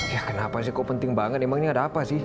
ya kenapa sih kok penting banget emang ini ada apa sih